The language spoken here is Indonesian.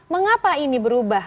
mengapa ini berubah